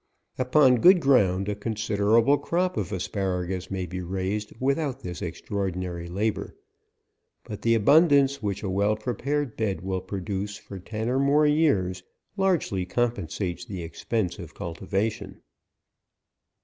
Upon good ground a considerable crop of Asparagus may be raised without this extra ordinary labor, but the abundance which a well prepared bed will produce for ten or more years, largely compensates the ex r pence of cultivation.